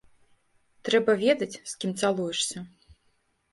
Трэба ведаць, з кім цалуешся.